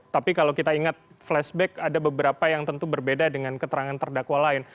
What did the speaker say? tapi kalau kita ingat flashback ada beberapa yang tentu berbeda dengan keterangan terdakwa lain